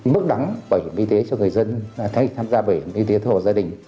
bảo hiểm y tế cho người dân thay tham gia bảo hiểm y tế thổ gia đình